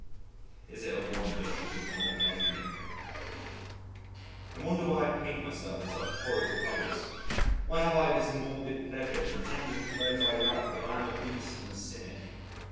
Is it a wonder she does not love me? I wonder why I paint myself in such horrid colours why have I this morbid pleasure in pretending to those I love that I am a beast and a cynic?